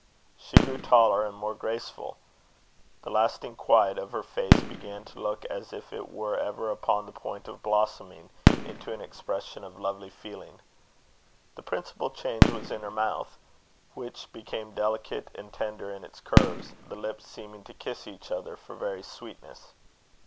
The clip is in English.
She grew taller and more graceful. The lasting quiet of her face began to look as if it were ever upon the point of blossoming into an expression of lovely feeling. The principal change was in her mouth, which became delicate and tender in its curves, the lips seeming to kiss each other for very sweetness.